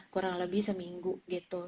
kurang lebih seminggu gitu